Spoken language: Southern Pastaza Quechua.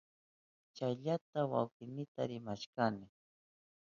Chayllata wawkiynita rimashkani.